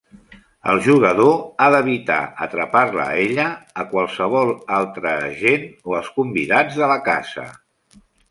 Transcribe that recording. El jugador ha d'evitar atrapar-la a ella, a qualsevol altre agent o als convidats de la casa.